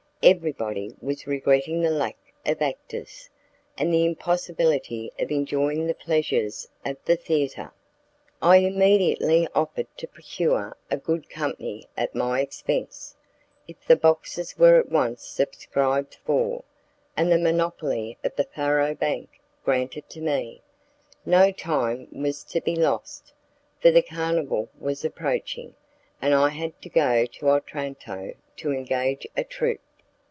Everybody was regretting the lack of actors, and the impossibility of enjoying the pleasures of the theatre. I immediately offered to procure a good company at my expense, if the boxes were at once subscribed for, and the monopoly of the faro bank granted to me. No time was to be lost, for the carnival was approaching, and I had to go to Otranto to engage a troop.